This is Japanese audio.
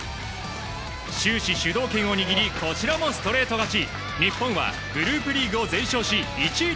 終始主導権を握りこちらもストレート勝ち。